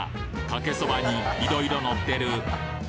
かけそばにいろいろのってる！？